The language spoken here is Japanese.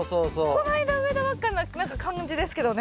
こないだ植えたばっかな感じですけどね。